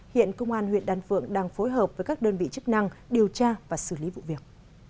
hiện công an huyện đan phượng đang phối hợp với các đơn vị chức năng điều tra và xử lý vụ việc